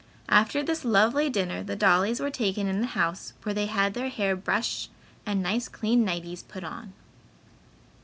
After this lovely dinner, the dollies were taken in the house, where they had their hair brushed and nice clean nighties put on.